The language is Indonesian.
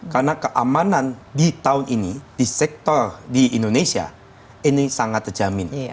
karena keamanan di tahun ini di sektor di indonesia ini sangat terjamin